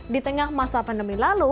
di tengah masa pandemi lalu